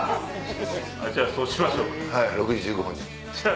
じゃあそうしましょうか。